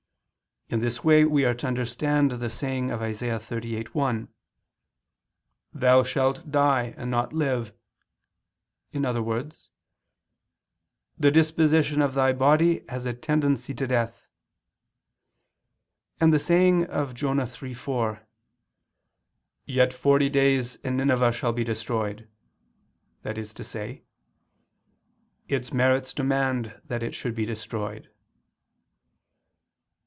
In this way we are to understand the saying of Isa. 38:1: "Thou shalt die, and not live"; in other words, "The disposition of thy body has a tendency to death": and the saying of Jonah 3:4, "Yet forty days, and Nineveh shall be destroyed," that is to say, "Its merits demand that it should be destroyed."